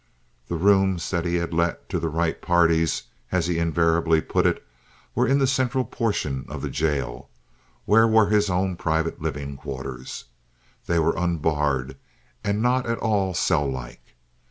The rooms that he let to the "right parties," as he invariably put it, were in the central portion of the jail, where were his own private living quarters. They were unbarred, and not at all cell like.